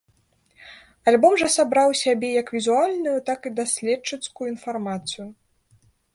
Альбом жа сабраў у сябе як візуальную, так і даследчыцкую інфармацыю.